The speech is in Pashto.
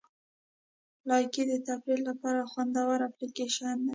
لایکي د تفریح لپاره خوندوره اپلیکیشن دی.